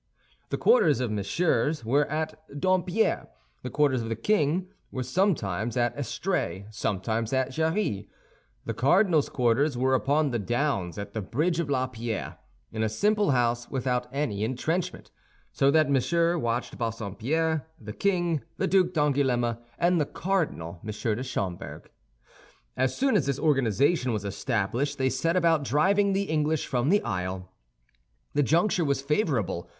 The quarters of Monsieur were at Dompierre; the quarters of the king were sometimes at Estrée, sometimes at Jarrie; the cardinal's quarters were upon the downs, at the bridge of La Pierre, in a simple house without any entrenchment. So that Monsieur watched Bassompierre; the king, the Duc d'Angoulême; and the cardinal, M. de Schomberg. As soon as this organization was established, they set about driving the English from the Isle. The juncture was favorable.